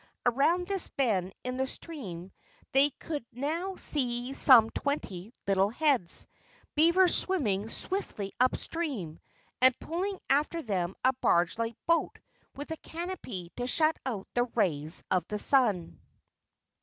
Around this bend in the stream they could now see some twenty little heads beavers swimming swiftly upstream, and pulling after them a barge like boat with a canopy to shut out the rays of the sun.